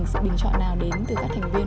sự bình chọn nào đến từ các thành viên